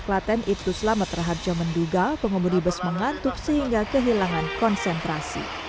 klaten itu selama terharja menduga pengemudi bus mengantuk sehingga kehilangan konsentrasi